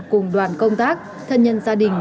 cùng đoàn công tác thân nhân gia đình